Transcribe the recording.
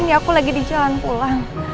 ini aku lagi di jalan pulang